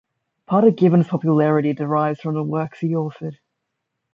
Part of Gibbons' popularity derived from the works he authored.